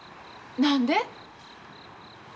何で？